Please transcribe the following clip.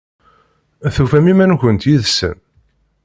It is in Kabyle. Tufamt iman-nkent yid-sen?